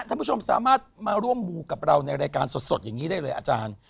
ท่านผู้ชมสามารถมาร่วมมูกับเราในรายการสดอย่างนี้ได้เลยอาจารย์